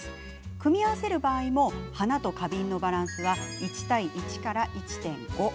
組み合わせる場合も花と花瓶のバランスは１対１から１．５。